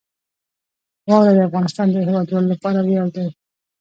واوره د افغانستان د هیوادوالو لپاره ویاړ دی.